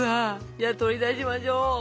じゃあ取り出しましょう。